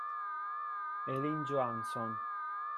Elin Johansson